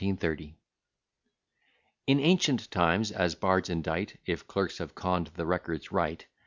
_ i, 30. In ancient times, as bards indite, (If clerks have conn'd the records right.)